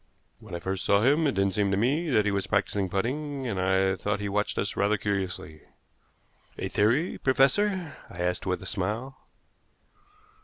When I first saw him it didn't seem to me that he was practicing putting, and I thought he watched us rather curiously." "A theory, professor?" I asked with a smile.